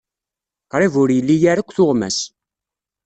Qrib ur ili ara akk tuɣmas.